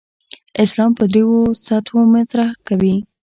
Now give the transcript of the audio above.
اسلام په درېو سطحو مطرح کوي.